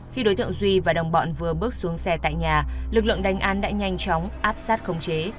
khi đối tượng duy và đồng bọn vừa bước xuống xe tại nhà lực lượng đánh án đã nhanh chóng áp sát khống chế